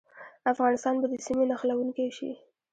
افغانستان به د سیمې نښلونکی شي؟